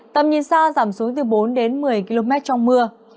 tầm nhìn xa giảm xuống từ bốn đến một mươi km trong mưa